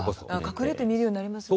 隠れて見るようになりますよね。